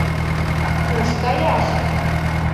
— Куш каяш?..